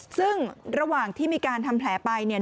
ซึ่งระหว่างที่มีการทำแผลไปเนี่ย